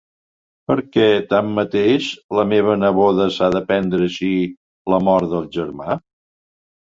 Perquè, tanmateix, la meva neboda s’ha de prendre així la mort del germà?